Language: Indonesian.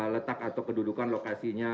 letak atau kedudukan lokasinya